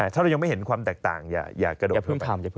ถ้ายังไม่เห็นความแตกต่างอย่ากระโดดเข้าไป